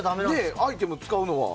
アイテム使うのは？